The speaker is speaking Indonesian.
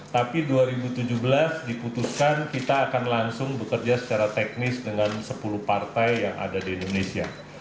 tapi dua ribu tujuh belas diputuskan kita akan langsung bekerja secara teknis dengan sepuluh partai yang ada di indonesia